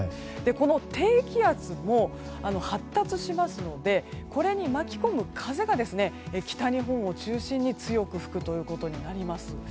この低気圧も発達しますのでこれに巻き込む風が北日本を中心に強く吹くということになります。